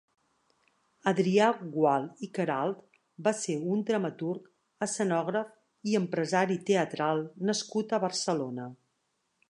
Adrià Gual i Queralt va ser un dramaturg, escenògraf i empresari teatral nascut a Barcelona.